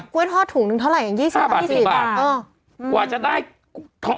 กล้วยทอดถุงหนึ่งเท่าไหร่อย่าง๒๐บาทหรือ๒๐บาท